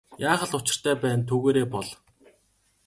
Яах л учиртай байна түүгээрээ бол.